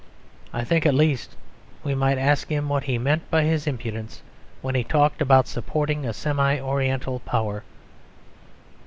I think at least we might ask him what he meant by his impudence, when he talked about supporting a semi oriental power.